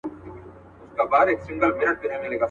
او هري تيږي، هر ګل بوټي، هري زرکي به مي.